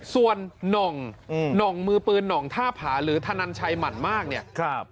ส่วนน่องหน่องมือปืนหน่องท่าผาหรือธนันชัยหมั่นมากเนี่ย